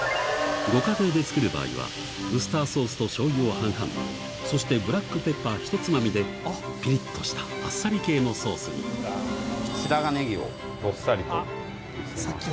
ご家庭で作る場合はウスターソースとしょうゆを半々そしてブラックペッパーひとつまみでピリっとしたあっさり系のソースに白髪ネギをどっさりとのせます。